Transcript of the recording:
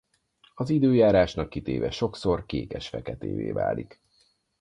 Az időjárásnak kitéve sokszor kékesfeketévé válik.